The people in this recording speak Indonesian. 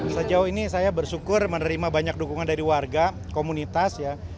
sejauh ini saya bersyukur menerima banyak dukungan dari warga komunitas ya